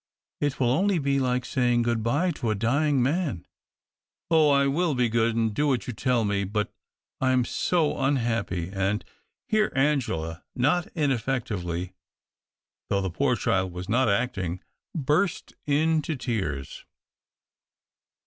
It will only be like saying good bye to a dying man. Oh, I will be good and do what you tell me, but I'm so unhappy, and —•—" Here Angela, not in effectively, though the poor child was not acting, burst into tears.